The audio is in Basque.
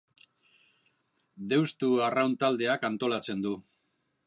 Deustu Arraun Taldeak antolatzen du.